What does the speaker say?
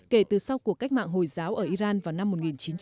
kể từ sau cuộc cách mạng hồi giáo ở iran vào năm một nghìn chín trăm bảy mươi